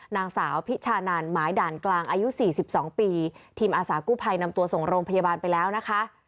นางสาวพิชานันหมายด่านกลางอายุสี่สิบสองปีทีมอาสากู้ภัยนำตัวส่งโรงพยาบาลไปแล้วนะคะ